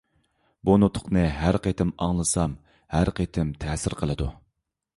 بۇ نۇتۇقنى ھەر قېتىم ئاڭلىسام ھەر قېتىم تەسىر قىلىدۇ.